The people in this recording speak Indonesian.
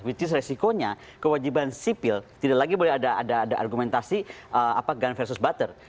which is resikonya kewajiban sipil tidak lagi boleh ada argumentasi gun versus butter